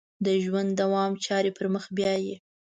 د ژوند دوام چارې پر مخ بیایي.